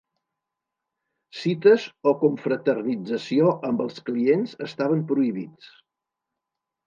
Cites o confraternització amb els clients estaven prohibits.